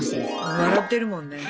笑ってるもんね。